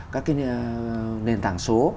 các cái nền tảng số